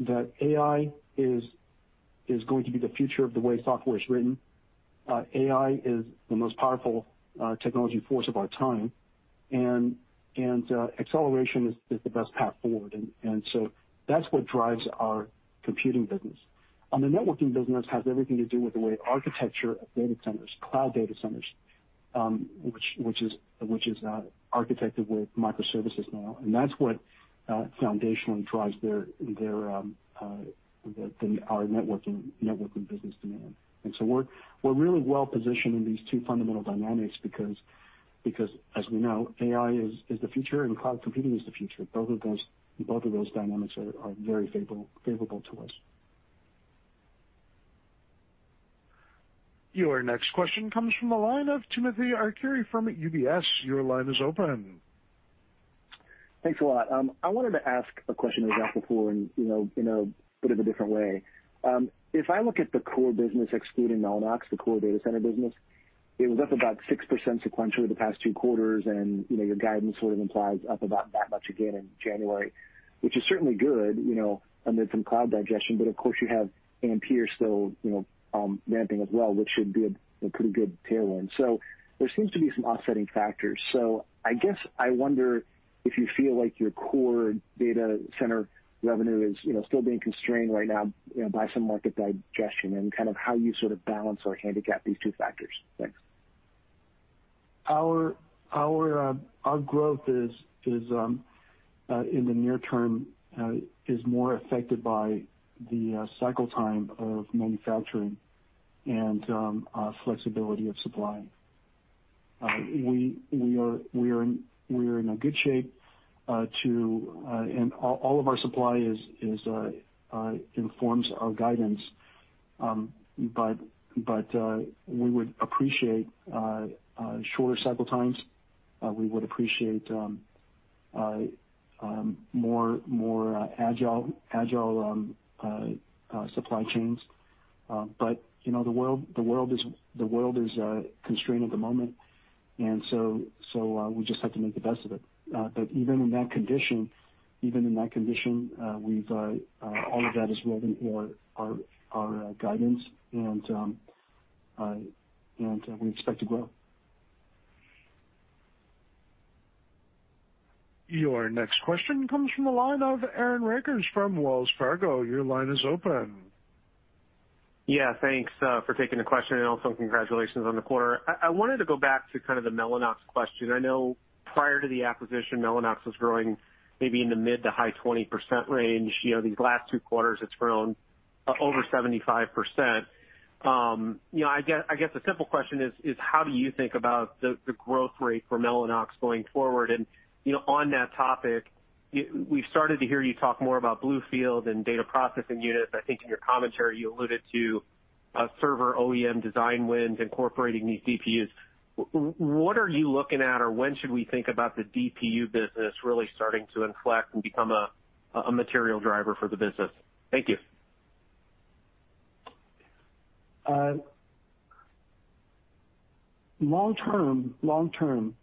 that AI is going to be the future of the way software is written. AI is the most powerful technology force of our time. Acceleration is the best path forward and so that's what drives our computing business. On the networking business has everything to do with the way architecture of data centers, cloud data centers, which is architected with microservices now. That's what foundationally drives their our networking business demand. We're really well positioned in these two fundamental dynamics because as we know, AI is the future and cloud computing is the future. Both of those dynamics are very favorable to us. Your next question comes from the line of Timothy Arcuri from UBS. Your line is open. Thanks a lot. I wanted to ask a question that was asked before in, you know, in a bit of a different way. If I look at the core business excluding Mellanox, the core data center business, it was up about 6% sequentially the past two quarters, and, you know, your guidance sort of implies up about that much again in January, which is certainly good, you know, amid some cloud digestion. Of course, you have Ampere still, you know, ramping as well, which should be a pretty good tailwind. There seems to be some offsetting factors. I guess I wonder if you feel like your core data center revenue is, you know, still being constrained right now, you know, by some market digestion, and kind of how you sort of balance or handicap these two factors. Thanks. Our growth is in the near term, is more affected by the cycle time of manufacturing and flexibility of supply. We are in a good shape to and all of our supply informs our guidance. We would appreciate shorter cycle times. We would appreciate more agile supply chains. You know, the world is constrained at the moment, so we just have to make the best of it. Even in that condition, all of that is woven for our guidance and we expect to grow. Your next question comes from the line of Aaron Rakers from Wells Fargo. Your line is open. Thanks for taking the question and also congratulations on the quarter. I wanted to go back to kind of the Mellanox question. I know prior to the acquisition, Mellanox was growing maybe in the mid to high 20% range. You know, these last two quarters it's grown over 75%. You know, I guess the simple question is, how do you think about the growth rate for Mellanox going forward? On that topic, we've started to hear you talk more about BlueField and data processing units. I think in your commentary you alluded to server OEM design wins incorporating these DPUs. What are you looking at, or when should we think about the DPU business really starting to inflect and become a material driver for the business? Thank you. Long term,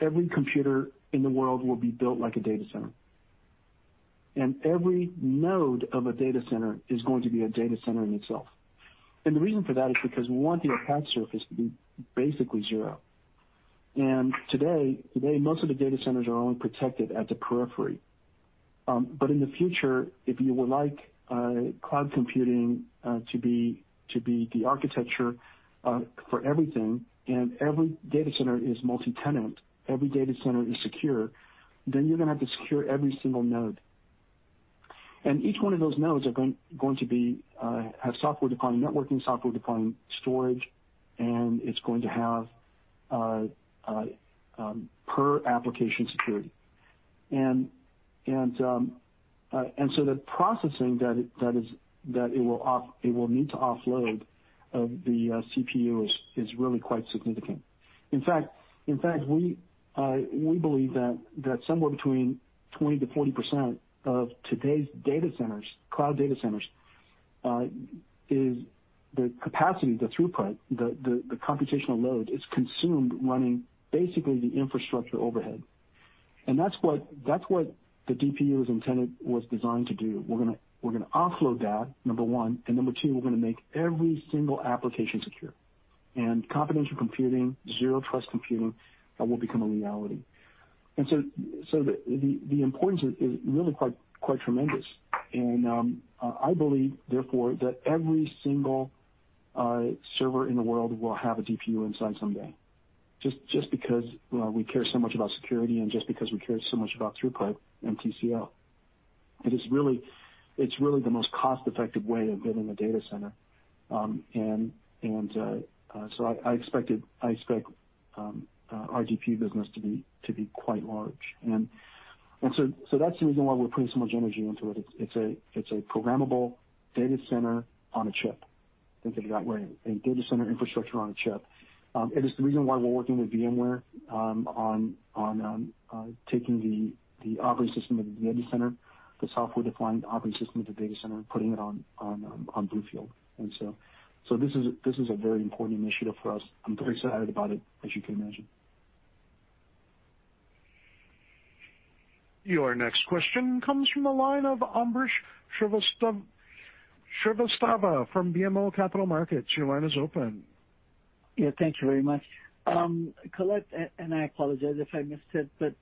every computer in the world will be built like a data center, every node of a data center is going to be a data center in itself. The reason for that is because we want the attack surface to be basically zero. Today, today, most of the data centers are only protected at the periphery. In the future, if you would like cloud computing to be the architecture for everything, and every data center is multi-tenant, every data center is secure, then you're gonna have to secure every single node. Each one of those nodes are going to be have software-defined networking, software-defined storage, and it's going to have per application security. So the processing it will need to offload of the CPU is really quite significant. In fact, we believe that somewhere between 20%-40% of today's data centers, cloud data centers, is the capacity, the throughput, the computational load is consumed running basically the infrastructure overhead. That's what the DPU is intended, was designed to do. We're gonna offload that, number one, and number two, we're gonna make every single application secure. Confidential computing, zero trust computing, will become a reality. So the importance is really quite tremendous. I believe therefore, that every single server in the world will have a DPU inside someday, just because, well, we care so much about security and just because we care so much about throughput and TCO. It is really, it's really the most cost-effective way of building a data center. I expect our DPU business to be quite large. That's the reason why we're putting so much energy into it. It's a programmable data center on a chip. Think of it that way, a data center infrastructure on a chip. It is the reason why we're working with VMware, on taking the operating system of the data center, the software-defined operating system of the data center, and putting it on BlueField. This is a very important initiative for us. I'm very excited about it, as you can imagine. Your next question comes from the line of Ambrish Srivastava from BMO Capital Markets. Your line is open. Thank you very much. Colette, and I apologize if I missed it, but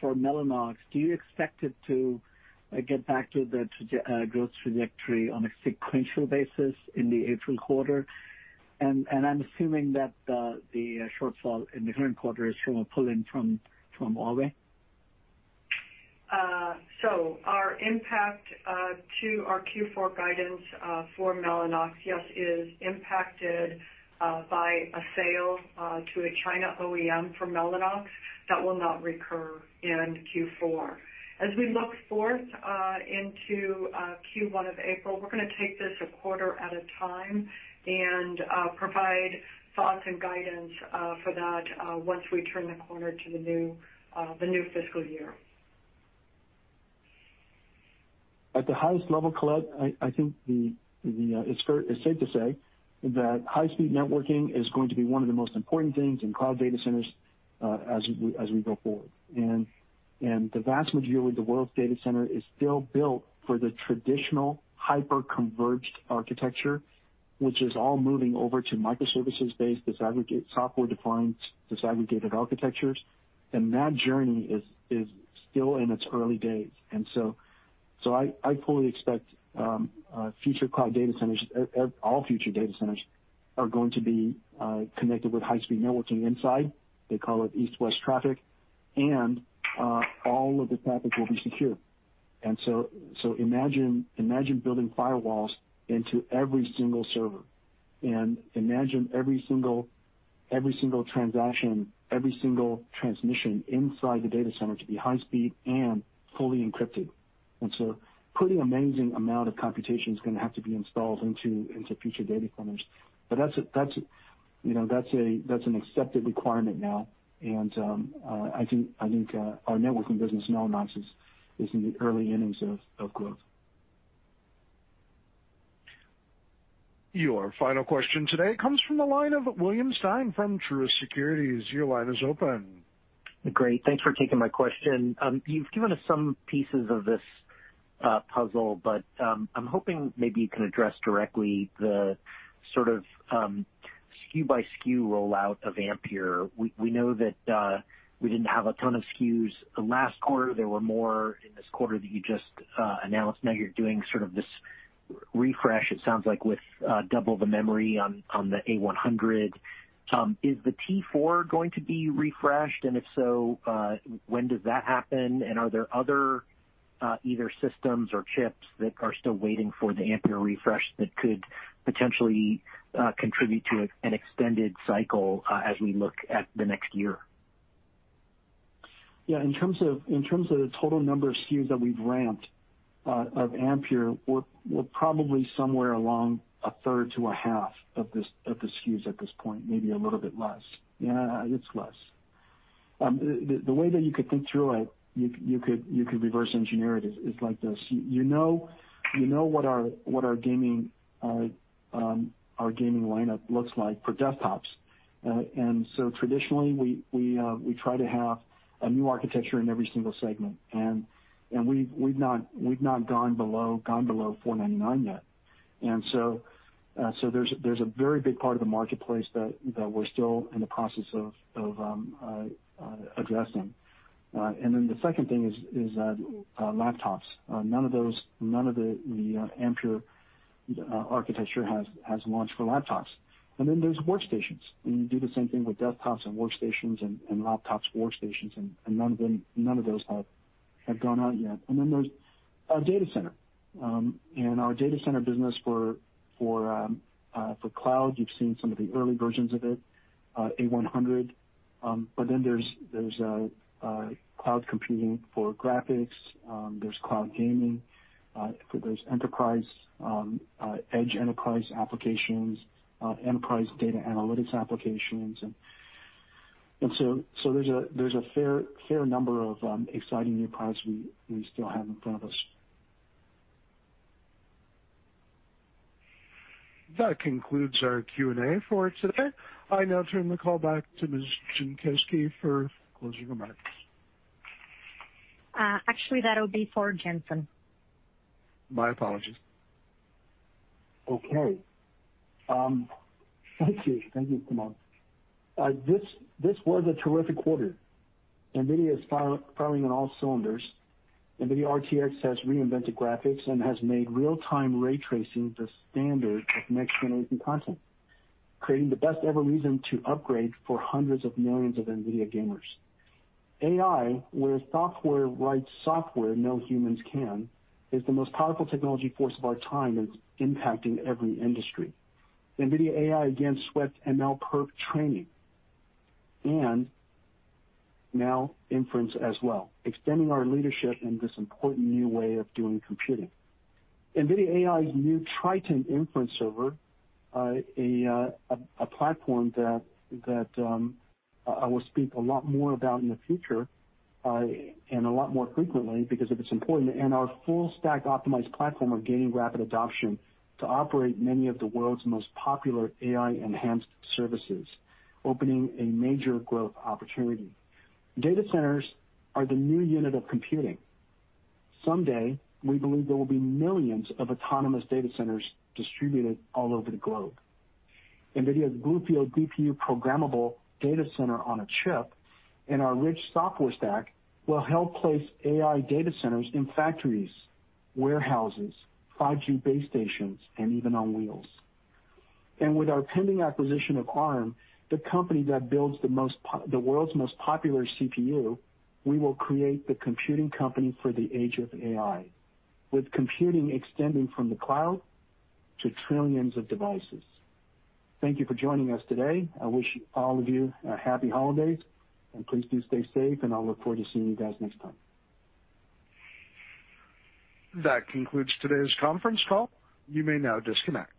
for Mellanox, do you expect it to get back to the growth trajectory on a sequential basis in the April quarter? I'm assuming that the shortfall in the current quarter is from a pull-in from Huawei. Our impact to our Q4 guidance for Mellanox, yes, is impacted by a sale to a China OEM for Mellanox that will not recur in Q4. As we look forth into Q1 of April, we're gonna take this a quarter at a time and provide thoughts and guidance for that once we turn the corner to the new, the new fiscal year. At the highest level, Colette, I think the, it's safe to say that high-speed networking is going to be one of the most important things in cloud data centers as we go forward. The vast majority of the world's data center is still built for the traditional hyperconverged architecture, which is all moving over to microservices-based disaggregate software-defined disaggregated architectures. That journey is still in its early days. So I fully expect future cloud data centers, all future data centers are going to be connected with high-speed networking inside. They call it east-west traffic. All of the traffic will be secure. Imagine building firewalls into every single server, and imagine every single transaction, every single transmission inside the data center to be high speed and fully encrypted. Pretty amazing amount of computation is going to have to be installed into future data centers. That's a, you know, that's an accepted requirement now. I think our networking business, Mellanox, is in the early innings of growth. Your final question today comes from the line of William Stein from Truist Securities. Your line is open. Great. Thanks for taking my question. You've given us some pieces of this puzzle, but I'm hoping maybe you can address directly the sort of SKU by SKU rollout of Ampere. We know that we didn't have a ton of SKUs last quarter. There were more in this quarter that you just announced. Now you're doing sort of this refresh, it sounds like, with double the memory on the A100. Is the T4 going to be refreshed? If so, when does that happen? Are there other, either systems or chips that are still waiting for the Ampere refresh that could potentially contribute to an extended cycle as we look at the next year? Yeah. In terms of the total number of SKUs that we've ramped of Ampere, we're probably somewhere along a third to a half of the SKUs at this point, maybe a little bit less. Yeah, it's less. The way that you could think through it, you could reverse engineer it is like this: you know what our gaming lineup looks like for desktops. Traditionally, we try to have a new architecture in every single segment. We've not gone below $499 yet. There's a very big part of the marketplace that we're still in the process of addressing. The second thing is laptops. None of the Ampere architecture has launched for laptops. There's workstations, you do the same thing with desktops and workstations and laptops, workstations, and none of those have gone out yet. There's our data center. Our data center business for cloud, you've seen some of the early versions of it, A100. There's cloud computing for graphics. There's cloud gaming. For those enterprise edge enterprise applications, enterprise data analytics applications. There's a fair number of exciting new products we still have in front of us. That concludes our Q&A for today. I now turn the call back to Ms. Jankowski for closing remarks. Actually, that'll be for Jensen. My apologies. Okay. Thank you. Thank you, Kamol. This was a terrific quarter. NVIDIA is firing on all cylinders. NVIDIA RTX has reinvented graphics and has made real-time ray tracing the standard of next-generation content, creating the best ever reason to upgrade for hundreds of millions of NVIDIA gamers. AI, where software writes software no humans can, is the most powerful technology force of our time and is impacting every industry. NVIDIA AI again swept MLPerf training and now inference as well, extending our leadership in this important new way of doing computing. NVIDIA AI's new Triton Inference Server, a platform that I will speak a lot more about in the future and a lot more frequently because of its importance, and our full-stack optimized platform are gaining rapid adoption to operate many of the world's most popular AI-enhanced services, opening a major growth opportunity. Data centers are the new unit of computing. Someday, we believe there will be millions of autonomous data centers distributed all over the globe. NVIDIA's BlueField DPU programmable data center on a chip and our rich software stack will help place AI data centers in factories, warehouses, 5G base stations, and even on wheels. With our pending acquisition of Arm, the company that builds the world's most popular CPU, we will create the computing company for the age of AI, with computing extending from the cloud to trillions of devices. Thank you for joining us today. I wish all of you a happy holidays, and please do stay safe, and I'll look forward to seeing you guys next time. That concludes today's conference call. You may now disconnect.